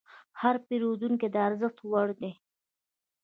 هر پیرودونکی د ارزښت وړ دی.